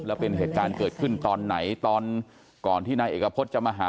แล้วเป็นเหตุการณ์เกิดขึ้นตอนไหนตอนก่อนที่นายเอกพฤษจะมาหา